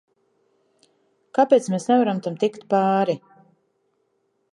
Kāpēc mēs nevaram tam tikt pāri?